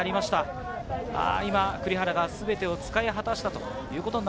栗原が全てを使い果たしました。